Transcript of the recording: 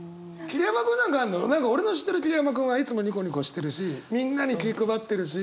桐山君なんか俺の知ってる桐山君はいつもニコニコしてるしみんなに気配ってるし。